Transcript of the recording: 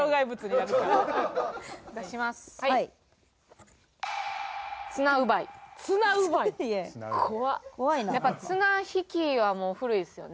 やっぱ綱引きはもう古いですよね。